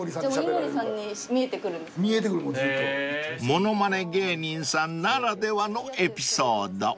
［ものまね芸人さんならではのエピソード］